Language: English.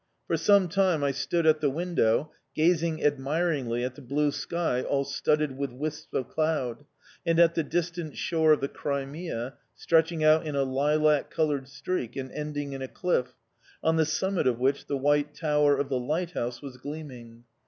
For some time I stood at the window, gazing admiringly at the blue sky all studded with wisps of cloud, and at the distant shore of the Crimea, stretching out in a lilac coloured streak and ending in a cliff, on the summit of which the white tower of the lighthouse was gleaming.